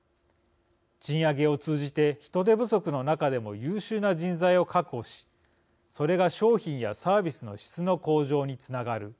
賃上げを通じて人手不足の中でも優秀な人材を確保しそれが商品やサービスの質の向上につながる。